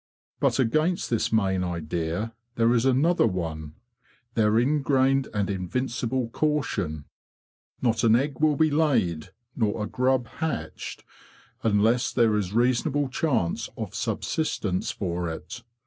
But against this main idea there is another one—their ingrained and invincible caution. Not an egg will A TWENTIETH CENTURY BEE FARMER 35 be laid nor a grub hatched unless there is reason able chance of subsistence for it.